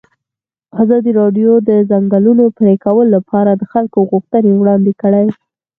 ازادي راډیو د د ځنګلونو پرېکول لپاره د خلکو غوښتنې وړاندې کړي.